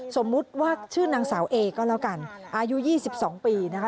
สมมุติว่าชื่อนางสาวเอก็แล้วกันอายุ๒๒ปีนะคะ